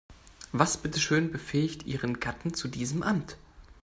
Was bitteschön befähigt ihren Gatten zu diesem Amt?